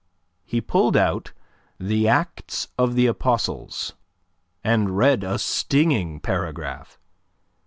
He pulled out "The Acts of the Apostles" and read a stinging paragraph.